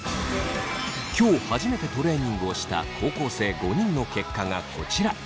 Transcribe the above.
今日初めてトレーニングをした高校生５人の結果がこちら。